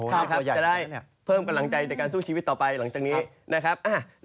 จะได้เพิ่มกำลังใจในการสู้ชีวิตต่อไปหลังจากนี้นะครับ